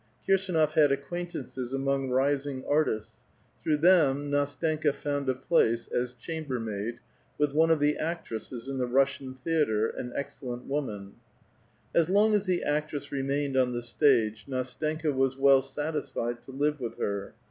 Kirsdnof had acquaintances among rising artists. Through them Ndstenka found a place as chambermaid with one of the actresses in the Russian theatre, an excellent woma 1. As long as the actress remained on the stage, N^tenka waA well satisfied to live with her.